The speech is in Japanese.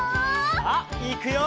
さあいくよ！